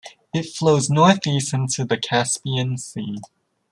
It flows northeast into the Caspian Sea.